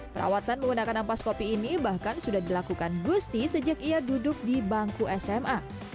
perawatan menggunakan ampas kopi ini bahkan sudah dilakukan gusti sejak ia duduk di bangku sma